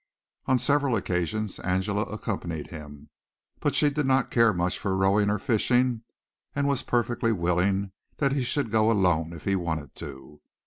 On several occasions Angela had accompanied him, but she did not care much for rowing or fishing and was perfectly willing that he should go alone if he wanted to.